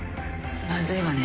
まずいわね。